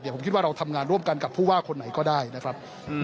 ผมคิดว่าเราทำงานร่วมกันกับผู้ว่าคนไหนก็ได้นะครับ